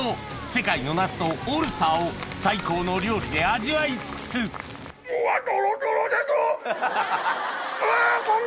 世界のナスのオールスターを最高の料理で味わい尽くすうわっ。